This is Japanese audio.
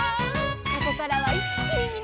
「ここからはいっきにみなさまを」